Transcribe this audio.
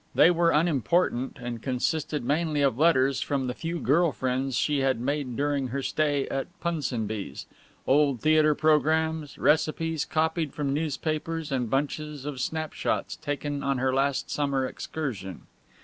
They were unimportant, and consisted mainly of letters from the few girl friends she had made during her stay at Punsonby's old theatre programmes, recipes copied from newspapers and bunches of snapshots taken on her last summer excursion.